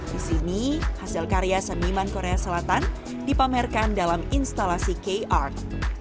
di sini hasil karya seniman korea selatan dipamerkan dalam instalasi k art